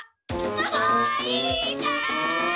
もういいかい？